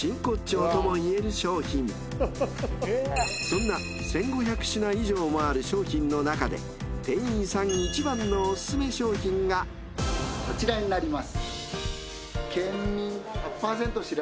［そんな１，５００品以上もある商品の中で店員さん一番のおすすめ商品が］こちらになります。